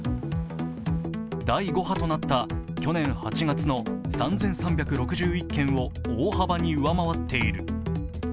第５波となった去年８月の３３６１件を大幅に上回っている。